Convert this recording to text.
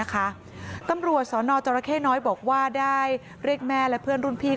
ตำรวจสนจรเข้น้อยบอกว่าได้เรียกแม่และเพื่อนรุ่นพี่